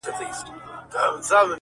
کومه ورځ به وي چي هر غم ته مو شاسي،